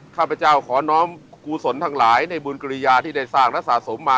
ข้าพเจ้าขอน้องกุศลทั้งหลายในบุญกริยาที่ได้สร้างและสะสมมา